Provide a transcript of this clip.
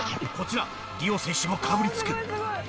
ちらりお選手もかぶりつく。